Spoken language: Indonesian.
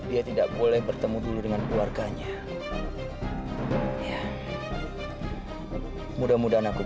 ini benaran kamu